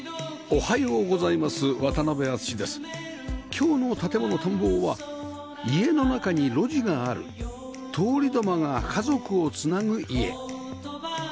今日の『建もの探訪』は家の中に路地がある通り土間が家族をつなぐ家